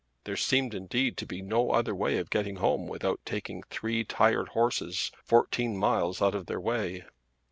There seemed indeed to be no other way of getting home without taking three tired horses fourteen miles out of their way.